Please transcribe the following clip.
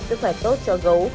sức khỏe tốt cho gấu